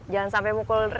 jangan sampai mukul